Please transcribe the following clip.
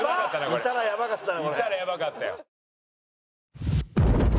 いたらやばかったよ。